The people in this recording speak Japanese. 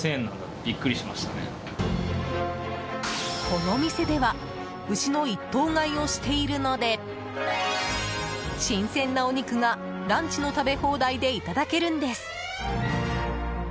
この店では牛の一頭買いをしているので新鮮なお肉がランチの食べ放題でいただけるんです。